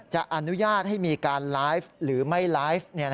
จะอนุญาตให้มีการไลฟ์หรือไม่ไลฟ์